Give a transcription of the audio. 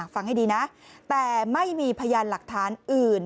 ฟังให้ดีนะแต่ไม่มีพยานหลักฐานอื่น